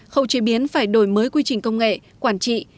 khâu chế biến phải đổi mới quy trình công nghệ quản trị